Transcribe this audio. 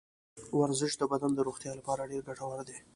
ورزش د بدن د روغتیا لپاره ډېر ګټور دی.